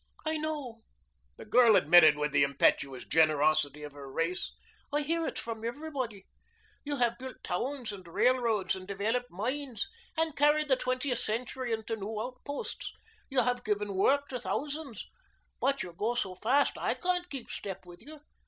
"I know," the girl admitted with the impetuous generosity of her race. "I hear it from everybody. You have built towns and railroads and developed mines and carried the twentieth century into new outposts. You have given work to thousands. But you go so fast I can't keep step with you.